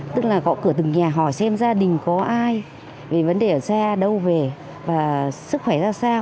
tức là gõ cửa từng nhà hỏi xem gia đình có ai về vấn đề ở xa đâu về và sức khỏe ra sao